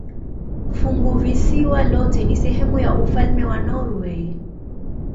Funguvisiwa lote ni sehemu ya ufalme wa Norwei.